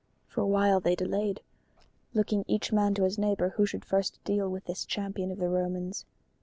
For a while they delayed, looking each man to his neighbor, who should first deal with this champion of the Romans.